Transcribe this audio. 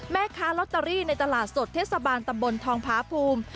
แม่ค้าลอตเตอรี่ในตลาดสดเทศบาลตำบลทองพาภูมิ